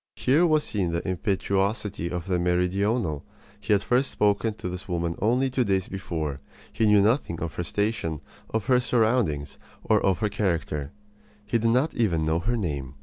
Here was seen the impetuosity of the meridional. He had first spoken to this woman only two days before. He knew nothing of her station, of her surroundings, of her character. He did not even know her name.